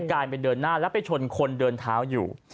กลายเป็นเดินหน้าแล้วไปชนคนเดินเท้าอยู่